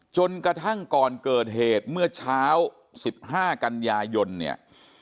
จนกระทั่งก่อนเกิดเหตุเมื่อเช้า๑๕กันยายนเนี่ย